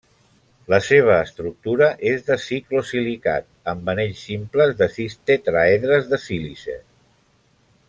La seva estructura és de ciclosilicat amb anells simples de sis tetraedres de sílice.